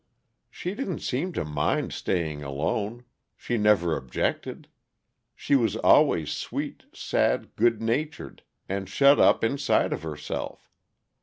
She didn't seem to mind staying alone. She never objected. She was always sweet sad good natured and shut up inside of herself.